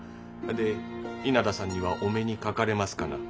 で稲田さんにはお目にかかれますかな？